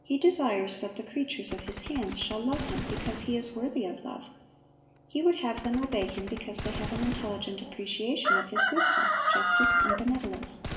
He desires that the creatures of His hands shall love Him because He is worthy of love. He would have them obey Him because they have an intelligent appreciation of His wisdom, justice, and benevolence.